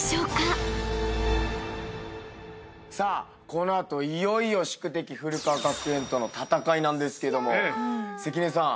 この後いよいよ宿敵古川学園との戦いなんですけど関根さん